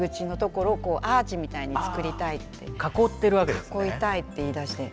囲いたいって言いだして。